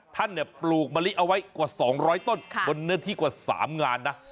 ท่านปลูกมะลิเอาไว้กว่า๒๐๐ต้นบนเนื้อที่กว่า๓งานนะ